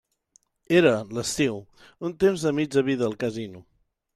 Era, l'estiu, un temps de mitja vida al casino.